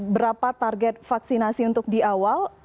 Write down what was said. berapa target vaksinasi untuk di awal